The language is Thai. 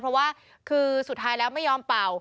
เพราะว่าคือสุดท้ายแล้วไม่ยอมเป่า